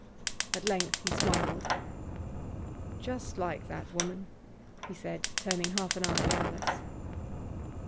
At length he smiled. 'Just like that woman,' he said, turning half an eye on Alice.